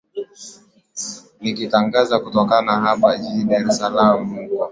nikitangaza kutoka hapa jijini dar es salam muko